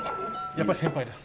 やっぱり先輩です。